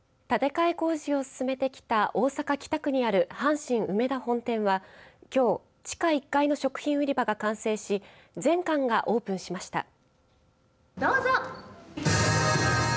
建て替え工事を進めてきた大阪北区にある阪神梅田本店はきょう、地下１階の食品売り場が完成し全館がオープンしました。